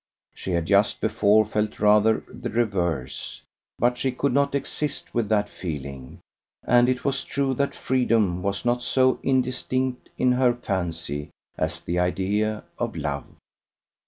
She had just before felt rather the reverse, but she could not exist with that feeling; and it was true that freedom was not so indistinct in her fancy as the idea of love.